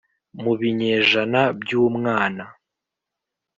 mu binyejana byumwana